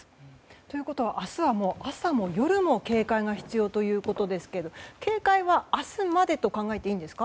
ということは明日は朝も夜も警戒が必要ということですが警戒は明日までと考えていいんですか？